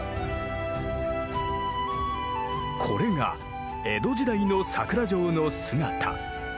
これが江戸時代の佐倉城の姿。